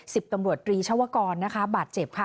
สิบตำรวจตรีชาวกรนะคะบาดเจ็บค่ะ